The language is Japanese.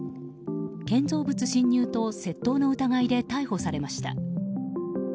建造物侵入と窃盗の疑いで逮捕されました。